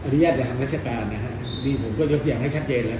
อนุญาตอย่างราชการนะฮะนี่ผมก็ยกอย่างให้ชัดเจนแล้ว